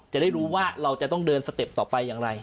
จะได้รู้ว่าเราจะต้องเดินสเต็ปต่อไปอย่างไร